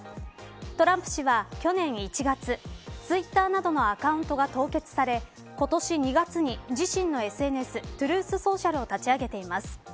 トランプ氏は去年１月ツイッターなどのアカウントが凍結され今年２月に自身のＳＮＳトゥルース・ソーシャルを立ち上げています。